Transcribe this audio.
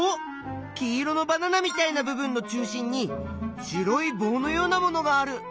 黄色のバナナみたいな部分の中心に白いぼうのようなものがある。